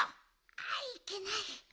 あっいけない。